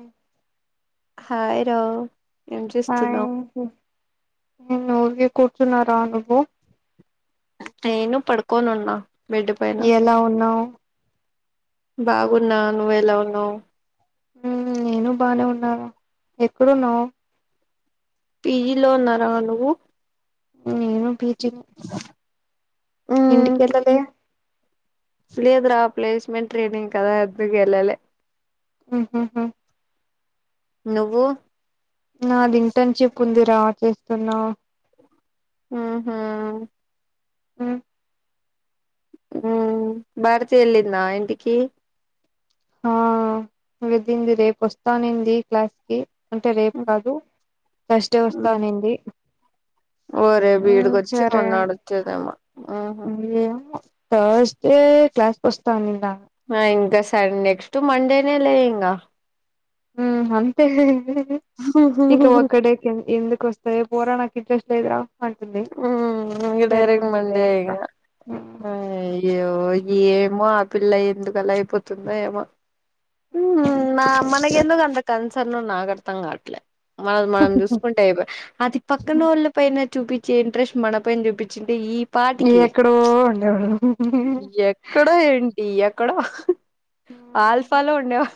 ఆ హాయ్ రో ఏం చేస్తున్నావ్ నేన్ ఊకే కుర్చున్నా రా నువ్వు నేను పడుకోనున్నా ఎలా ఉన్నావ్ బాగున్నా నువ్వేలా ఉన్నావ్ ఉమ్ నేను బానే ఉన్నా రా ఎక్కడున్నావ్ పీజీ లో ఉన్నారా నువ్వు నేను పీజీ నే ఇంటి కెళ్ళలే లేదు రా ప్లేస్మెంట్ ట్రైనింగ్ కదా అద్దు కెళ్ళలే ఉమ్ హు హు నువ్వు నాది ఇంటర్న్షిప్ ఉంది రా చేస్తున్నా ఉమ్ హూ ఉమ్ ఉమ్ భారతి యెళ్ళిందా ఇంటికి ఆ వెళ్ళింది రేపు వస్తా అనింది క్లాస్ కి అంటే రేపు కాదు ఫస్టే వస్తా అనింది ఓరే హ్మ్ వీడికొచ్చి చరే మొన్నాడు వచ్చేదేమో ఊహూ అండి ఏం థర్స్ డే క్లాస్ వస్తస్తాఆన్నింద ఆ ఇంకాస నెక్స్ట్ మండేనే లే ఇంగ హుం అంతే [unintelligible] ఇంకా ఒక్కడే ఎందుకుస్త ఎ పోరా నాకు ఇంట్రెస్ట్ లేదురా అంటుంది హుమ్ [unintelligible] కటరకు సరిపోయిందిలే మండే ఇంకా ఇగ అయ్యో ఏమో ఆ పిల్ల ఎందుకలా అయిపోతుందో ఏమో ఉ నా మనక ఎందుకు అంత కన్సన్ నాకర్ధం కావట్లే మనది మనం చూసుకుంటే అయిపై జంట్రెస్ట్ మన పైన్ చూపించిది ఈ ఈ పాటికి ఎక్కడో ఉండేవా అక్కడ ఏంటి యాక్కడ ఆల్ఫాలో ఉండేవా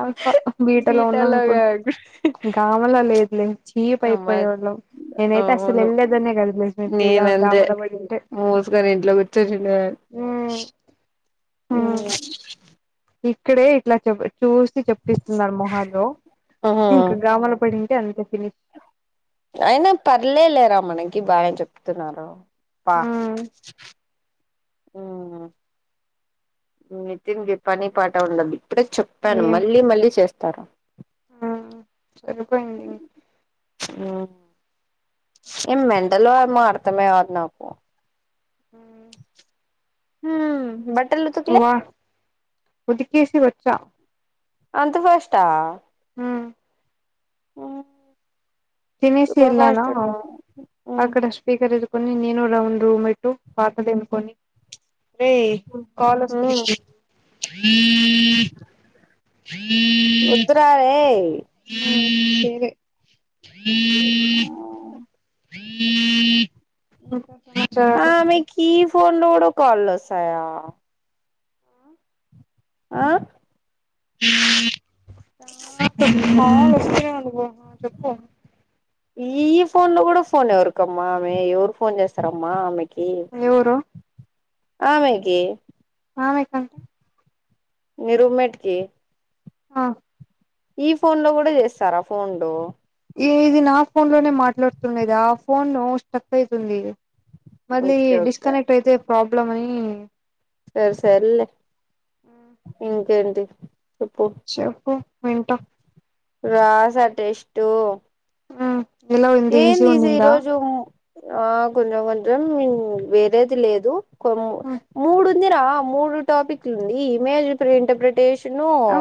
ఆల్ఫా బీటలో ఉన్నాం బీటాలో ఇప్పుడు కాకుండా గామంలో లేదులే చీపు అమ్మ అయిపోయేవాళ్ళం నేనైతే అసలు అవును వెళ్ళలేదన్న కదలే తగా [unintelligible] ఉందమరబడిటు గర్ ఇంట్లో పెట్టేసిందే ఇక్కడే ఇట్లా చె చూసి చెప్పిస్తున్నారు మొహల్లో ఉమ్ ఇంకా గామన్నపేట అనిపించింది అయినా పర్లేలేరా మనకి బాగా చెప్తే చాలు ప ఊ నితిన్ కి పని పాట ఉండదు ఇప్పుడే చెప్పాను మళ్ళీ మళ్ళీ చేస్తారు ఆ చరీపోయింది ఊ ఏం మెండల్ ఏమో అర్తమే కాదు నాకు హుమ్ బట్ వా ఉదికేసి వచ్చా అంత ఫాస్టా హా ఆ తినేసి ఏలాను ఉన్నావ్ ఆక్కడ స్పపీకర్ ఇ కొని నేను రౌండ్ రూమ్ పెట్టు పాత తిన్కొని రే కాల్ వస్తు హ సరే నీదే చాలు ఆమెకి ఈ ఫోన్ లో కూడా కాల్లోస్తాయా ఆ రస్త అను [unintelligible] చెప్పు ఈ ఇ ఫోన్ లో కూడా ఫోన్ ఎవరికమ్మా ఆమె ఎవరు ఫోన్ చేస్తారమ్మా ఆమెకి ఎవరో ఆమెకి ఆవేకా నీ రూమెట్కి ఆ ఈ ఫోన్లో కూడా చేస్తారా ఫోన్లు ఈ ఇది నా ఫోన్లోనే మాట్లాడుతుండద ఆ ఫోన్ స్టక్ అవుతుంది మళ్ళీ ఓకే ఓకే డిస్కనెక్ట్ అయితే ప్రాబ్లం అని సరే సర్లే ఇంకేంటి చెప్పు చెప్పు వింటా రాస టెస్టు హ ఎలా ఉంద ఈజీ ఏంది ఇది ఉనిందా ఈరోజు ఆ కొంచెం కొంచెం వేరేది లేదు కొ మూడు ఎందిరా మూడు టాపిక్లుంది ఇమేజ్ ఇంటర్ప్రిటేషను ఆ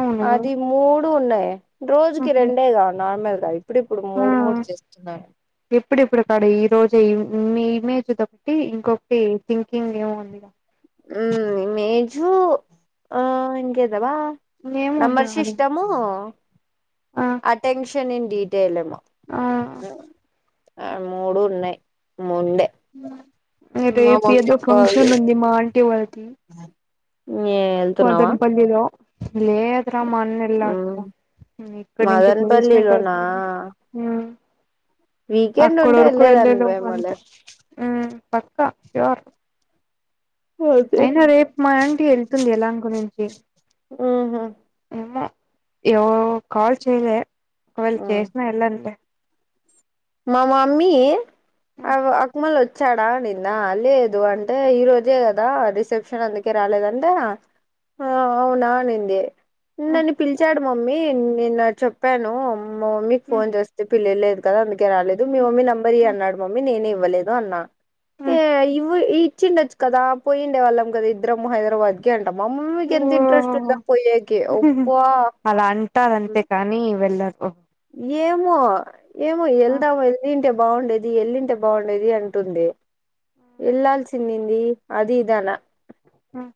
అవును అది మూడు ఉన్నాయి రోజుకి మ్మ్ రెండే గా నార్మల్ గా ఇప్పుడు మూడు మూడు చేస్తున్నారు ఎప్పుడు ఇప్పుడు కాడ ఈ రోజు మీ ఇమేజ్ తట్టి ఇంకొకటి థింకింగ్ ఏం ఉంది మేజు ఆ ఇంగెదబా ఏమో ఉంది నెంబర్ నాది సిస్టం ఆ అటెన్షన్ ఇన్ డీటెయిల్ము ఆ ఆ మూడు ఉన్నాయి ముందే రేపు ఏదో కాల్ ఫంక్షన్ చేసి ఉంది మా ఆంటీ వాళ్ళది ఏ వెళ్తున్నావా మదనపల్లిలో లేదురా మా అన్న వెళ్ల ఇక్కడ నుంచి ప్లేస్మెంట్ మదనపల్లిలోనా వ వీకెండ్ అక్కడ ఉంటే వరకు వెళ్లే వెళ్ళలేదాన్ని లోపు మేములే అంతే ఉ పక్కా షూర్ అదే అయినా రేపు మా ఆంటీ వెళ్తుంది ఎలా గురించి ఉహు ఏమో ఏ కాల్ చేయలే ఒకవేళ చేసినా వెళ్ళనులే మా మమ్మీ అ అక్మల్ వచ్చ వచ్చాడా నిన్న లేదు అంటే ఈ రోజే కదా రిసెప్షన్ అందుకే రాలేదంటే ఆ అవునా అనింది నన్ను పిలిచాడు మమ్మీ నేను చెప్పాను మా మమ్మీకి ఫోన్ చేస్తే పిలవళ్లేదు కదా అందుకే రాలేదు మీ మమ్మీ నెంబర్ ఇయి అన్నాడు మమ్మీ నేనే ఇవ్వలేదు అన్నా ఇ ఈ ఇచ్చి ఉండొచ్చు కదా పోయి ఉండే వాళ్ళం ఇద్దరం హైదరాబాద్ కి ంట మామ్మి కి ఎంత ఇంట్రెస్ట్ ఉందో పోయెకీ ఒప్ప అలా అంటారుంతే కాని వెళ్ళరు ఏమో ఏమో వెళ్దాము వెళ్లి ఉంటే బాగుండేది ఎల్లింటే బాగుండేది అంటుంది వెళ్లాల్సిఉండింది అదిదానా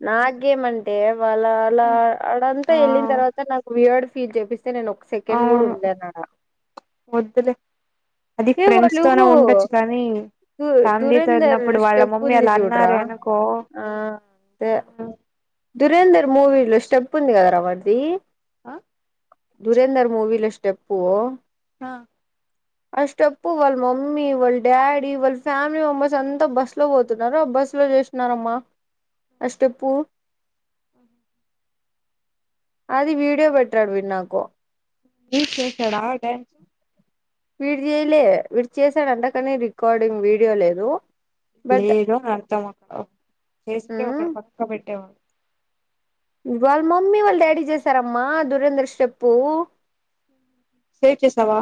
నాగేమంటే వాలా అలా అడంతా ఆ ఎలిన తర్వాత అ నాకు వియర్డ్ ఫీజ చెపిస్తే నేను ఒక సెకండ్ కూడా అవును ఉండలేను వద్దులే అది ఏ ఫ్రెండ్స్ వాళ్ళు తోనే ఉండొచ్చు కానీ దు ఫ్యామిలీ తో దురేందర్ ఉన్నప్పుడు వాళ్ళ స్టెప్ మమ్మీ ఉంది అలా చూడరా అన్నారే అనుకో ఆ అదే దురేందర్ మూవీలో స్టెప్ ఉంది కదా రావాడిది ఆ దురేందర్ మూవీలో స్టెప్పు ఆ ఆ స్టెప్పు వాళ్ళ మమ్మీ వాళ్ళ డాడీ వాళ్ళ ఫ్యామిలీ మెంబర్స్ అంతా బస్సులో పోతున్నారు ఆ బస్లో చేస్ నారమ్మా ఆ స్టెప్పు ఉ అది వీడియో పెట్టాడు వీడు నాకు [inaudible] చేశాడా ఇటాచ్ వీడు చేయలే వీడు చేసాడంట కానీ రికార్డింగ్ వీడియో లేదు బట్ లేదు అని అర్థం అక్కడ చేస్తే ఉమ్ ఒకక్కడ పక్క పెట్టేవాడు వాళ్ళ మమ్మీ వాళ్ళ డాడీ చేసారమ్మా దురంధర్ స్టెప్పు సేవ్ చేసావా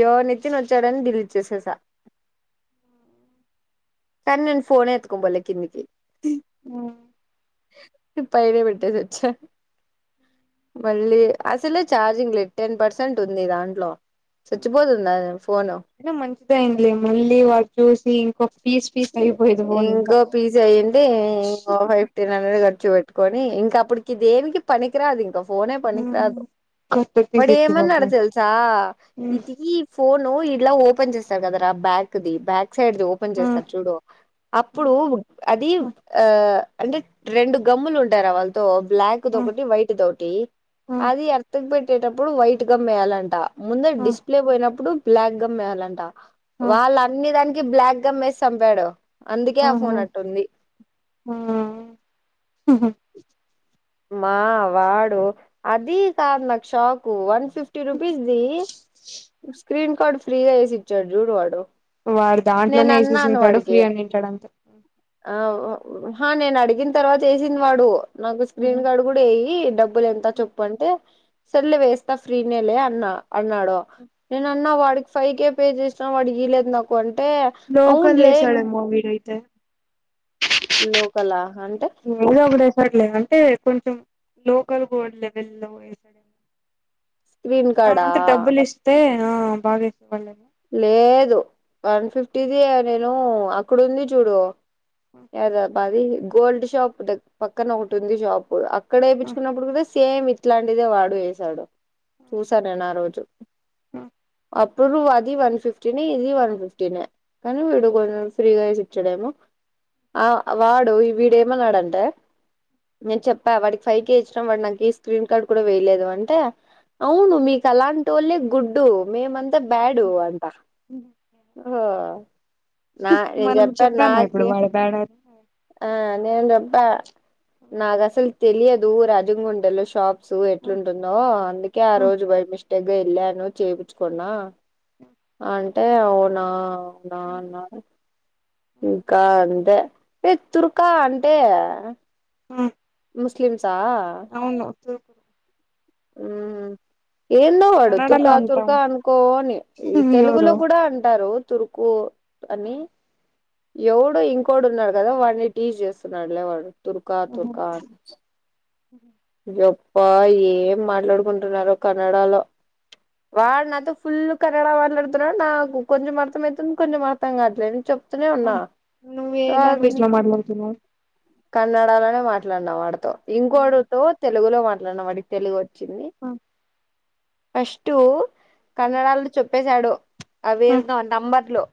య్యో నితిన్ వచ్చాడని డిలీట్ చేసేసా కనీ నేను ఫోనే ఎతుక పోలే కిందికి ఆ పైైనే పెట్టేసి వచ్చ మళ్ళీ అసలే ఛార్జింగ్ లేద్ టెన్ పర్సెంట్ ఉంది దాంట్లో సచ్చిపోతుందా ఫోను అయినా మంచిదయింది మళ్ళీ వాడు చూసి ఇంకొ ఇంకో పిస్ ఎయ్యండి ఇంకో హైఫ్ ఫిఫ్టీన్ హండ్రెడ్ ఖర్చు పెట్టుకొని ఇంకా అప్పటికి దేనికి పనికిరాదు ఇంకా ఫోనే పనికి ఉమ్ రాదు కొత్త పీస్ ఇచ్చి వాడేమన్నాడో బదులు తెల్సా ఇది ఫోను ఇలా ఓపెన్ చేసార్ కదారా బ్యాక్దిి బ్యాక్ సైడ్ది ఓపెన్ ఆ ఆ చేస్ చూడు అప్పుడు ఉడ్ అది ఆ అంటే రెండు గమ్ములుంటాయిరా వాళ్ళతో బ్లాక్ ఆ దొకటి వైట్ దొటి ఆ అది ఎర్త్కు పెట్టేటప్పుడు వైట్ గం వేయాలంట ముందు డిస్ప్లే పోయినప్పుడు బ్లాక్ గమ్ వేయాలంట ఆ వాళ్ళ అన్ని దానికి బ్లాక్ గమ్ వేస్ చంపాడు అందుకే ఆ ఫోన్ అట్టుంది యా మా వాడు అది కాదు నాకు షాకు వన్ ఫిఫ్టీ రూపీస్ దీ స్క్రీన్ కార్ట్ ఫ్రీగా ఏసీ జూరు వాడుో వాడు దాంట్లోనే ఎసేసి తంటాడు ఫ్రీ అని తింటాడు అంత ఆ నేను అడిగిన తర్వాత వేసింది వాడు నాకు ఉహు స్క్రీన్గాడు కూడా ఎయ్యి డబ్బులు ఎంత చెప్పు అంటే సర్లే వేస్తా ఫ్రీనే లే అన్నా అన్నాడు నేన అన్నా వాడికి ఫైవ్ కే పే చేసినా వాడి వీయలేదు నాకు అంటే లోకల్ అవునులే ఎసాడమో వీడైతే లోకల అంటే ఎదో ఒకటి వేసాడులే అంటే కొంచెం లోకల్ కూడా లెవెల్ లో వేసాడేమో స్క్రీన్ కార్డా మనమంతా డబ్బులిస్తే ఆ బాగా ఏసేవాళ్లేమో లేదు వన్ ఫిఫ్టీది నేను అక్కడుంది చూడు ఏదా బ అది గోల్డ్ షాప్ ద్గ పక్కన ఒకటి ఉంది షాపు అక్కడ వెయ్పిచ్చుకున్నప్పుడు కూడా సేమ్ ఇట్లాంటిదే వాడు వేసాడు చూసా నేను ఆ రోజు హ్మ్ అప్పుడు అది వన్ ఫిఫ్టీనే ఇది వన్ ఫిఫ్టీనే కానీ వీడు కొంచెం ఫ్రీగా వేసి ఇచ్చాడేమో ఆ వాడు వీడు ఏమన్నాడంటే నేను చెప్పా వాడికి ఫైవ్ కే ఇచ్చినా వాడు నాకి స్క్రీన్ కార్డ్ కూడా వేయలేదు అంటే అవును మీకలాంటోళ్ళే గుడ్డు మేమంతా బ్యాడు అంట ఉమ్ ఓ నా నేను మనం చెప్పారు చెప్పామా ఇప్పుడు నాకి వాడి బ్యాడ్ ఆ ఆ నేను చెప్పా నాకు అసలు తెలియదు రాజంగుండెలో షాప్ సో ఎట్లుంటుందో అందుకే ఆ రోజు బైమిస్టేక్ గా వెళ్ళాను చెపిచ్చుకున్నా అంటే అవునా అవునా అన్నారు ఇంకా అదే ఏ తుర్కా అంటే ఉ ముస్లిమ్సా అవును తుర్ ఊ ఏందో వాడు కన్నడలో తుర్కా ఉంటాం తుర్కా అనుకోని ఈ తెలుగులో ఎవరు కూడా అంటారు తురుకు అని ఎవడో ఇంకోడు ఉన్నాడు కదా వాడిని టీజ్ చేస్తున్నాడులే వాడు తుర్కా తుర్కా అని యప్ప ఏం మాట్లాడుకుంటున్నారో కన్నడ లో వాడు నాతో ఫుల్ కన్నడ మాట్లాడుతున్నాడు నాకు కొంచెం అర్థం అయితుంది కొంచెం అర్థం కాట్లేదు చెప్ తూనే ఉన్నా వారిని తున కన్నడ లోనే మాట్లాడిన వాడితో ఇంకోడుతో తెలుగులో మాట్లాడిన వాడి తెలుగు వచ్చింది ఫస్టు కన్నడాలో చెప్పేశాడు అవి ఏదో నంబర్ల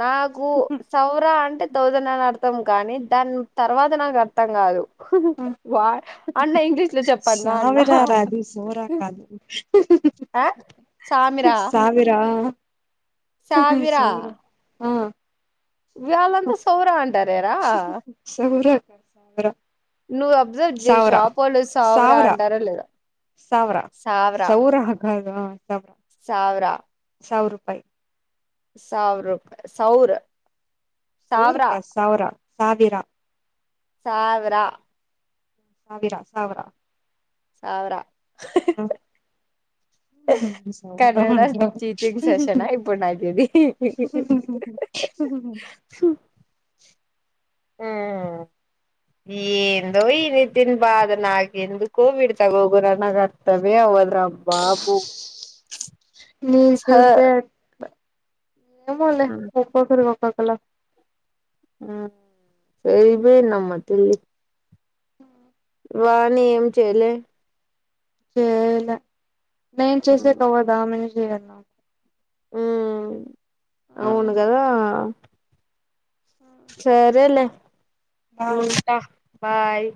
నాగు సౌర అంటే థౌసండ్ అని అర్థం కానీ దాని తరువాత నాకు అర్థం కాదు వాడ్ అన్న ఇంగ్లీష్ లో చెప్పన్న అన్న గోరా కాదు ఆ సామిరా సవిర సామిరా సౌర ఆ వాళ్ళంతా సౌర అంటారేర సౌర రా నువ్ అబ్సర్వ్ చెయ్ షాప్ ఒళ్ళు సౌర అంటారో లేదో సవరా సౌర కాదు ఆ సవరా సావ్రా సౌ రూపాయి సౌ రుప్ సౌర్ సౌర్ సావ్రా కాదు సౌర సావిరా సావ్రా సావిరా సౌర సౌర స ఉ సౌర కన్నడ అంటారు టీచింగ్ సెషనా ఇప్పుడు నాకు ఇది సు ఏందో ఇది దిన్ బాద నాకి ఎందుకో వీడు చదువుగో నాక్ ఆర్థ్ తమే అవదు రా బాబు మీర్ హ చూస్తే ఏమోలే ఒక్కొక్కరు ఒక్కొక్కలా సరిపోయిందమ్మ తెల్లి వాణి ఏం చేయలే చేయలే నేను చేసే కవ్వదు ఆమెనే చేయాలా ఉం ఆ అవును కదా సరేలే బాయ్ ఉంటా బాయ్